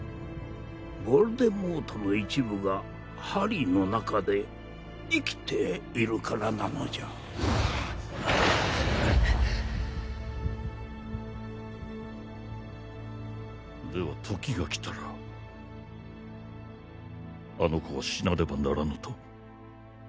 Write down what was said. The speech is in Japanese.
ヴォルデモートの一部がハリーの中で生きているからなのじゃでは時が来たらあの子は死なねばならぬと？